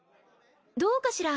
どうかしら？